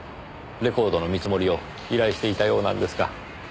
レコードの見積もりを依頼していたようなんですが。